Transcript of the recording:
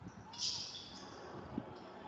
په هر حالت کي د پرمختګ لپاره فکر وکړئ.